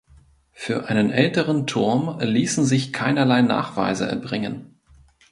Für einen älteren Turm ließen sich keinerlei Nachweise erbringen.